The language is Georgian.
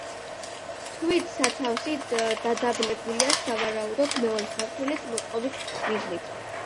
თვით სათავსი დადაბლებულია სავარაუდოდ, მეორე სართულის მოწყობის მიზნით.